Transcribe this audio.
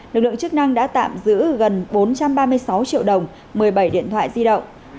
lực lượng chức năng đã tạm giữ gần bốn trăm ba mươi sáu triệu đồng một mươi bảy điện thoại di động